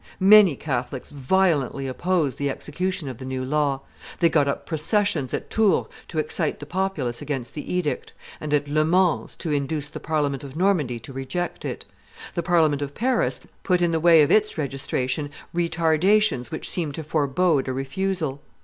Many Catholics violently opposed the execution of the new law; they got up processions at Tours to excite the populace against the edict, and at Le Mans to induce the Parliament of Normandy to reject it. The Parliament of Paris put in the way of its registration retardations which seemed to forebode a refusal.